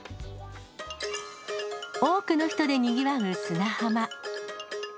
多くの人でにぎわう砂浜。